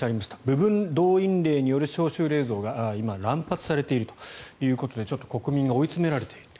部分動員令による招集令状が今、乱発されているということでちょっと国民が追い詰められている。